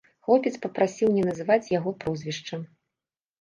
Хлопец папрасіў не называць яго прозвішча.